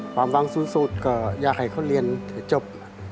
ความหวังสูงสุดก็อยากให้เขาเรียนให้จบ